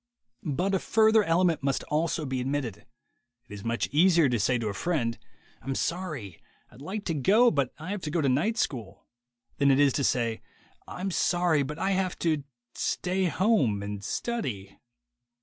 But a further element must also be admitted. It is much easier to say to a friend: "I'm sorry; I'd like to go. But I have to go to night school," than it is to say, "I'm sorry; but I have to — stay home and study."